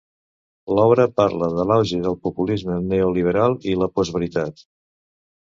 L'obra parla de l'auge del populisme neoliberal i la postveritat.